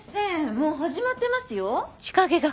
もう始まってますよ。